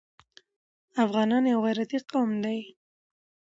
افغانان يو غيرتي قوم دی.